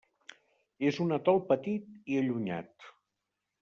És un atol petit i allunyat.